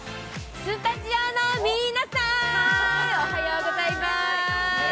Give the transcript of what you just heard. スタジオの皆さん、おはようございます。